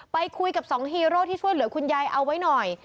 ไปคุยกับสองฮีโร่ที่ช่วยเหลือคุณยายเอาไว้หน่อย